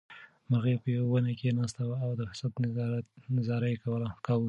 مرغۍ په یوه ونه کې ناسته وه او د فرصت انتظار یې کاوه.